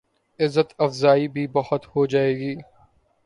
عزت افزائی بھی بہت ہو جائے گی۔